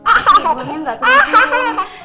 obat penurunnya nggak terus terusan